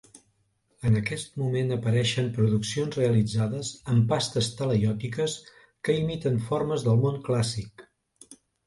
En aquest moment apareixen produccions realitzades amb pastes talaiòtiques que imiten formes del món clàssic.